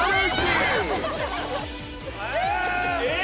えっ？